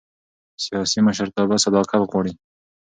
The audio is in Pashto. سیاسي مشرتابه صداقت غواړي